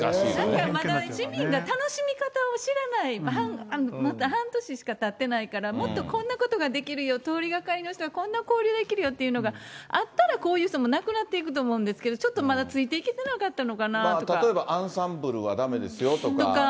まだ市民が楽しみ方を知らない、まだ半年しかたってないから、もっとこんなことができるよ、通りがかりの人がこんな交流できるよっていうのがあったらこういう人もなくなっていくと思うんですけど、ちょっとまだついていけ例えばアンサンブルはだめですよとか。